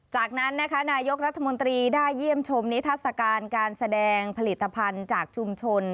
จากนั้นนะคะนายกรัฐมนตรีได้เยี่ยมชมนิทัศกาลการแสดงผลิตภัณฑ์จากชุมชน